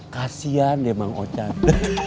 kasian ya mengocat